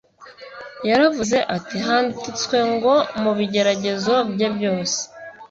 Yaravuze ati: "Handitswe ngo". Mu bigeragezo bye byose,